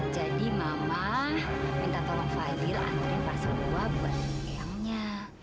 jadi mama minta tolong fadhil anterin parsel buah buat eyangnya